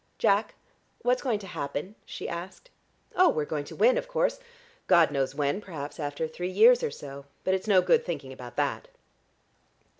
"Jack, what's going to happen?" she asked. "Oh, we're going to win, of course. God knows when. Perhaps after three years or so. But it's no good thinking about that."